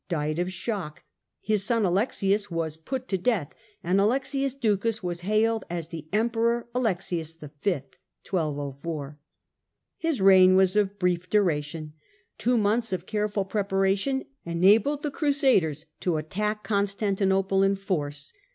died of shock, his son Alexius was put to deatli, Alexius v., and Alexius Ducas was hailed as the Emperor Alexius 1204 y^ jjig reign was of brief duration. Two months of Second careful preparation enabled the Crusaders to attack CaTure Constantinople in force.